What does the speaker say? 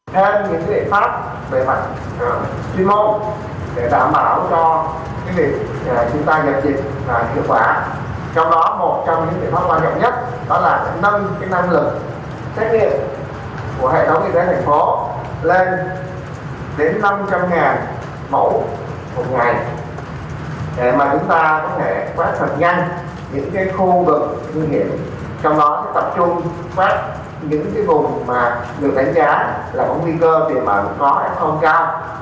để mà chúng ta có thể phát thật nhanh những khu vực nguy hiểm trong đó sẽ tập trung phát những cái vùng mà được đánh giá là có nguy cơ tiềm ẩn khó hay không cao